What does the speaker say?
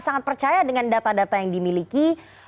sangat percaya dengan data data yang dimiliki